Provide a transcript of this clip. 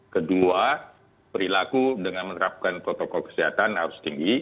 kedua perilaku dengan menerapkan protokol kesehatan harus tinggi